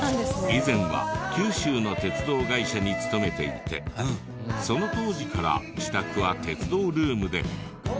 以前は九州の鉄道会社に勤めていてその当時から自宅は鉄道ルームで。